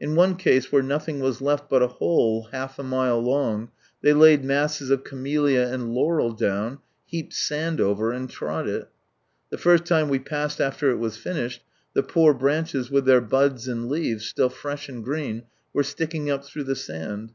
In one case where nothing was left but a hole half a mile long, they laid masses of camellia and laurel down, heaped sand over, and trod it. The first time we passed after it was finished, the poor branches with their buds and leaves, still fresh and green, were sticking up through the sand